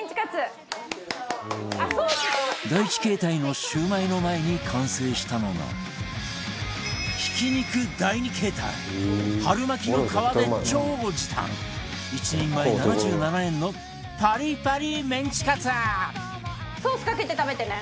第１形態のシュウマイの前に完成したのがひき肉第２形態春巻きの皮で超時短１人前７７円のパリパリメンチカツソースかけて食べてね。